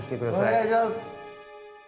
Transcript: お願いします。